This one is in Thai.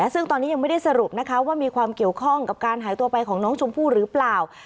ซึ่งตอนนี้ยังไม่ได้สรุปนะคะว่ามีความเกี่ยวข้องกับการหายตัวไปของน้องชมพู่หรือเปล่า